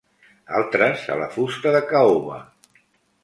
Altres a la fusta de caoba.